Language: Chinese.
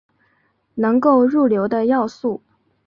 能够入流的要素。